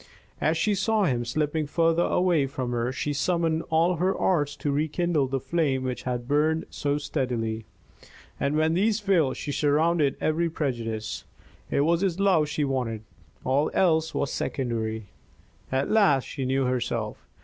As she saw him slipping further away from her, she summoned all her arts to rekindle the flame which had burned so steadily; and when these failed, she surrendered every prejudice. It was his love she wanted. All else was secondary. At last she knew herself.